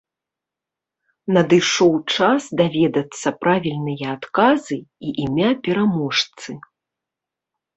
Надышоў час даведацца правільныя адказы і імя пераможцы.